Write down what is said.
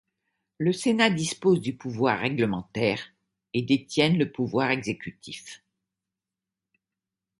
Le Sénat dispose du pouvoir réglementaire et détienne le pouvoir exécutif.